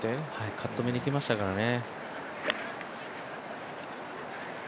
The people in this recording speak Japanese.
カット目にいきましたからね。